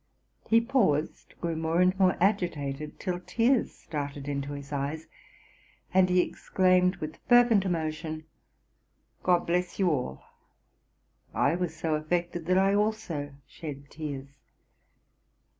He paused, grew more and more agitated, till tears started into his eyes, and he exclaimed with fervent emotion, 'GOD bless you all.' I was so affected that I also shed tears.